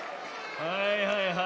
はいはいはい。